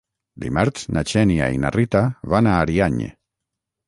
Dimarts na Xènia i na Rita van a Ariany.